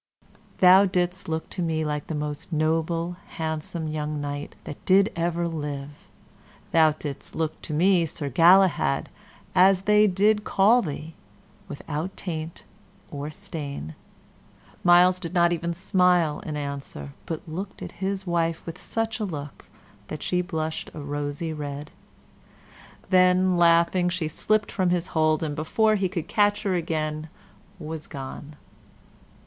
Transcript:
"Thou didst look to me the most noble, handsome young knight that did ever live; thou didst look to me Sir Galahad, as they did call thee, withouten taint or stain." Myles did not even smile in answer, but looked at his wife with such a look that she blushed a rosy red. Then, laughing, she slipped from his hold, and before he could catch her again was gone.